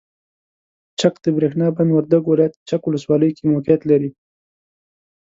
چک دبریښنا بند وردګو ولایت چک ولسوالۍ کې موقعیت لري.